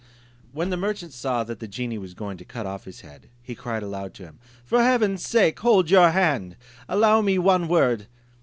] When the merchant saw that the genie was going to cut off his head, he cried out aloud to him, "For heaven's sake hold your hand! Allow me one word.